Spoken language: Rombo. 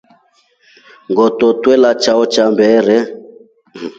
Ngoto ntwela chao cha mmbere.